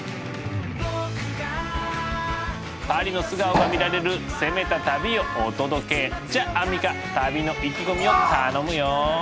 パリの素顔が見られる攻めた旅をお届け！じゃアンミカ旅の意気込みを頼むよ。